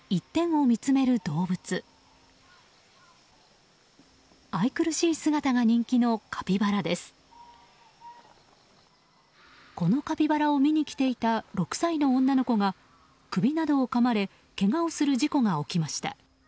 このカピバラを見に来ていた６歳の女の子が首などをかまれけがをする事故が起きました。